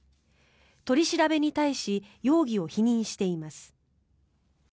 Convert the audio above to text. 取り調べに対し容疑を否認しています。